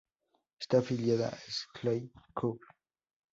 Está afiliada a Style Cube.